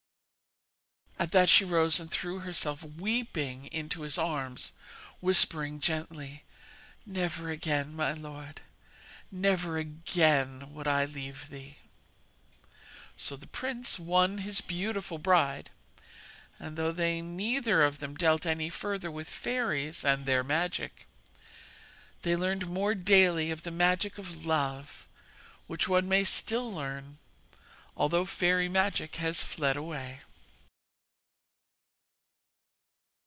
At that she rose and threw herself weeping into his arms, whispering gently: 'Never again, my lord, never again would I leave thee!' So the prince won his beautiful bride; and though they neither of them dealt any further with fairies and their magic, they learnt more daily of the magic of Love, which one may still learn, although fairy magic has fled away.